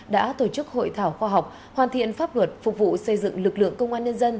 đã tổ chức hội thảo khoa học hoàn thiện pháp luật phục vụ xây dựng lực lượng công an nhân dân